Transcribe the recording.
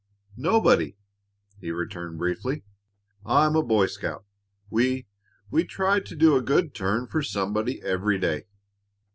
"Nobody," he returned briefly. "I'm a boy scout. We we try to do a good turn for somebody every day."